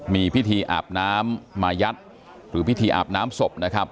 มีพิธีอาบน้ำมายัดหรือพิธีอาบน้ำศพนะครับ